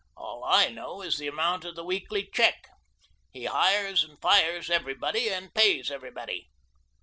All I know is the amount of the weekly check. He hires and fires everybody and pays everybody."